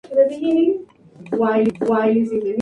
Ambos proyectos están en pre-producción.